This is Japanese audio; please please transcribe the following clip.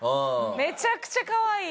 めちゃくちゃかわいい。